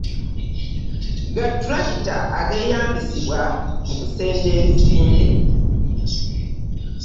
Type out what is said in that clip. tulakita ageeyambisibwa mu kusenda ebizimbe.